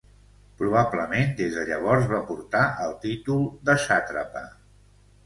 Probablement des de llavors va portar el títol de sàtrapa.